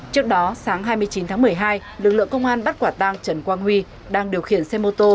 trước đó sáng hai mươi chín tháng một mươi hai lực lượng công an bắt quả tang trần quang huy đang điều khiển xe mô tô